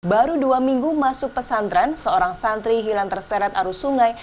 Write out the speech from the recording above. baru dua minggu masuk pesantren seorang santri hilang terseret arus sungai